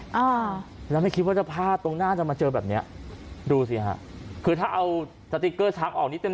อ่าแล้วไม่คิดว่าจะพลาดตรงหน้าจะมาเจอแบบเนี้ยดูสิฮะคือถ้าเอาสติ๊กเกอร์ช้างออกนี้เต็ม